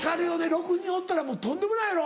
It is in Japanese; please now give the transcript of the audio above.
６人おったらとんでもないやろ？